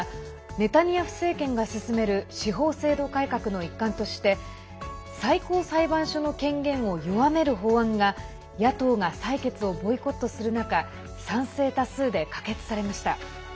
ネタニヤフ政権が進める司法制度改革の一環として最高裁判所の権限を弱める法案が野党が採決をボイコットする中賛成多数で可決されました。